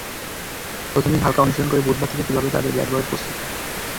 প্রথম দিন হালকা অনুশীলন করে বুধবার থেকেই শুরু হবে তাদের ব্যাট-বলের প্রস্তুতি।